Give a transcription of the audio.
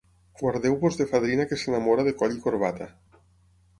Guardeu-vos de fadrina que s'enamora de coll i corbata.